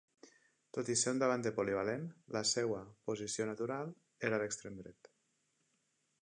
Tot i ser un davanter polivalent, la seua posició natural era la d'extrem dret.